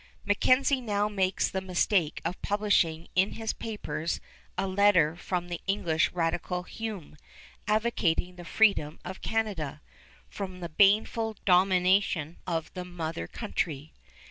MacKenzie now makes the mistake of publishing in his papers a letter from the English radical Hume, advocating the freedom of Canada "from the baneful domination of the mother country."